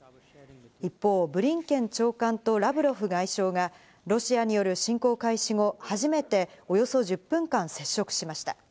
一方、ブリンケン長官とラブロフ外相がロシアによる侵攻開始後初めて、およそ１０分間接触しました。